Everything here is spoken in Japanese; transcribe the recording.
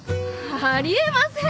あり得ません。